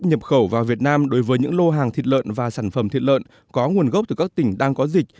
nhập khẩu vào việt nam đối với những lô hàng thịt lợn và sản phẩm thịt lợn có nguồn gốc từ các tỉnh đang có dịch